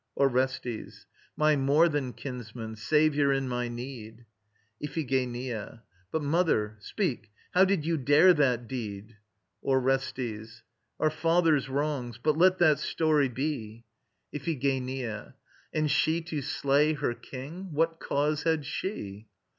ORESTES. My more than kinsman, saviour in my need! IPHIGENIA. But mother ... Speak: how did ye dare that deed? ORESTES. Our father's wrongs ... But let that story be. IPHIGENIA. And she to slay her king! What cause had she?